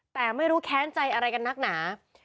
แต่ไม่รู้แค้นใจอะไรกันนักหนา